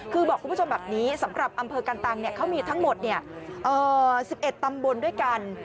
คือบอกคุณผู้ชมแบบนี้สำหรับอำเภอกันตังเขามีทั้งหมด๑๑ตำบลด้วยกัน